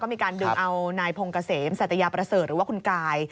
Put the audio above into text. มีการดึงเอานายพงเกษมสัตยาประเสริฐหรือว่าคุณกาย